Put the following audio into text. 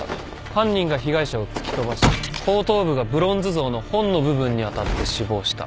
犯人が被害者を突き飛ばし後頭部がブロンズ像の本の部分に当たって死亡した。